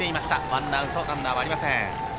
ワンアウトランナーはありません。